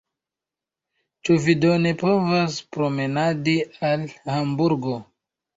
Ĉu vi do ne povas promenadi al Hamburgo?